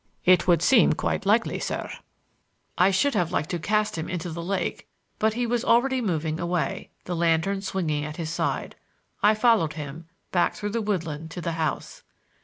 "It would seem quite likely, sir." I should have liked to cast him into the lake, but be was already moving away, the lantern swinging at his side. I followed him, back through the woodland to the house.